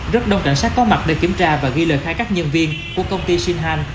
rất đông cảnh sát có mặt để kiểm tra và ghi lời khai các nhân viên của công ty sinh han